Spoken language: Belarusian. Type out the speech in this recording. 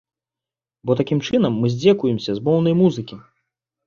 Бо такім чынам мы здзекуемся з моўнай музыкі.